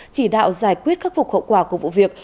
chỉ đạo giải quyết khắc phục hậu quả của vụ việc